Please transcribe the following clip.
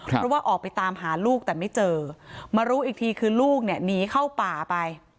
เพราะว่าออกไปตามหาลูกแต่ไม่เจอมารู้อีกทีคือลูกเนี่ยหนีเข้าป่าไป